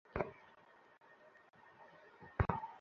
একটা মাদকমুক্ত সমাজে ও বাস করবে।